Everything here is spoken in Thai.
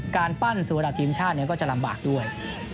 การปั้นสัวดาทีมชาติเนี่ยก็จะลำบากด้วย